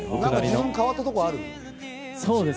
自分で変わったところ、ある？